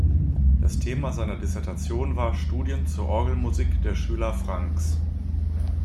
Das Thema seiner Dissertation war „Studien zur Orgelmusik der Schüler Francks“.